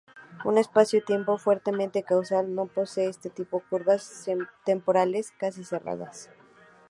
Un espacio-tiempo fuertemente causal no posee ese tipo curvas temporales "casi-cerradas".